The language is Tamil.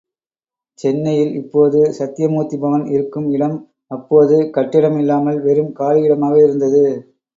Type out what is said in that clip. சென்னையில் இப்போது சத்தியமூர்த்திபவன் இருக்கும் இடம் அப்போது கட்டிடம் இல்லாமல் வெறும் காலி இடமாக இருந்தது.